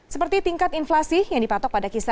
seperti tingkat inflasi yang dipatok pada kisah